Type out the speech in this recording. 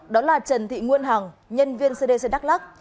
đó là trần thị nguyên hằng nhân viên cdc đắk lắc